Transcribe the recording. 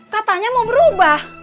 katanya mau berubah